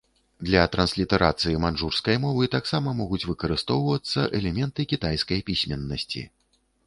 Для транслітарацыі маньчжурскай мовы таксама могуць выкарыстоўвацца элементы кітайскай пісьменнасці.